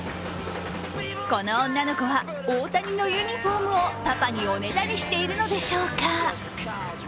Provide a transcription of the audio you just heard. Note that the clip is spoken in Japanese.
この女の子は、大谷のユニフォームをパパにおねだりしているのでしょうか。